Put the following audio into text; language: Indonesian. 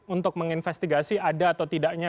untuk menginvestigasi ada atau tidaknya